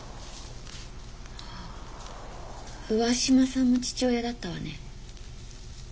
上嶋さんも父親だったわね。